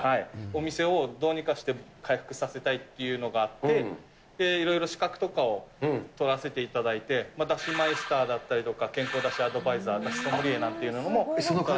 お店をどうにかして回復させたいっていうのがあって、いろいろ資格とかを取らせていただいて、出汁マイスターだったりとか、健康出汁アドバイザー、だしソムリエなんていうのも。